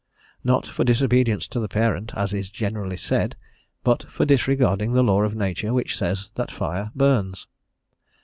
Not for disobedience to the parent, as is generally said, but for disregarding the law of nature which says that fire burns.